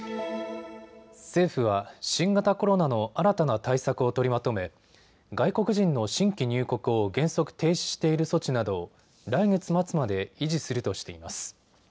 政府は新型コロナの新たな対策を取りまとめ外国人の新規入国を原則停止している措置などを来月末まで維持するとしています。